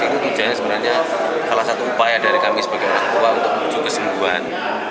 ini tujuannya sebenarnya salah satu upaya dari kami sebagai orang tua untuk menuju kesembuhan